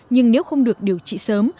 nhưng nếu không được điều trị sớm